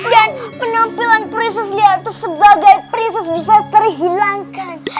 dan penampilan prinses lia itu sebagai prinses bisa terhilangkan